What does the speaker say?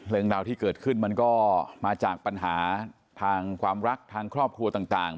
เรื่องราวที่เกิดขึ้นมันก็มาจากปัญหาทางความรักทางครอบครัวต่าง